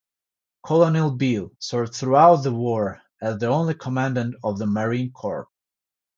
Colonel Beall served throughout the war as the only Commandant of the Marine Corps.